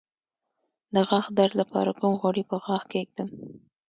د غاښ درد لپاره کوم غوړي په غاښ کیږدم؟